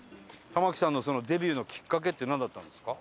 玉木さんのデビューのきっかけってなんだったんですか？